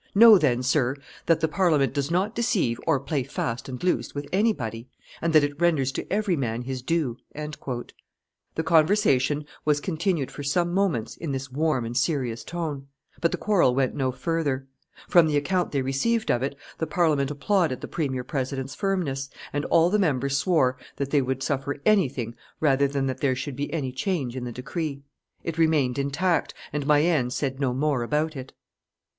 Know then, sir, that the Parliament does not deceive or play fast and loose with anybody, and that it renders to every man his due." The conversation was continued for some moments in this warm and serious tone; but the quarrel went no further; from the account they received of it, the Parliament applauded the premier president's firmness, and all the members swore that they would suffer anything rather than that there should be any change in the decree. It remained intact, and Mayenne said no more about it.